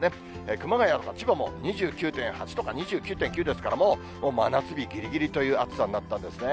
熊谷や千葉も２９．８とか、２９．９ですから、もう真夏日ぎりぎりという暑さになったんですね。